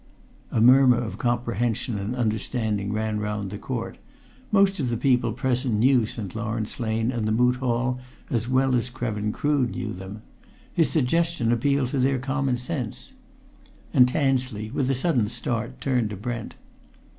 A murmur of comprehension and understanding ran round the court: most of the people present knew St. Lawrence Lane and the Moot Hall as well as Krevin Crood knew them; his suggestion appealed to their common sense. And Tansley, with a sudden start, turned to Brent.